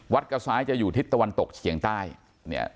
กระซ้ายจะอยู่ทิศตะวันตกเฉียงใต้เนี่ย